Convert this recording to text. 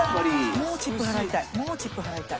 もうチップ払いたい。